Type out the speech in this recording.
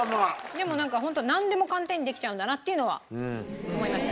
でもなんかホントになんでも寒天にできちゃうんだなっていうのは思いました。